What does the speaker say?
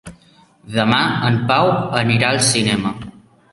Demà en Pau anirà al cinema.